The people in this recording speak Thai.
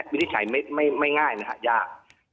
วินิจฉัยไม่ง่ายนะฮะยาก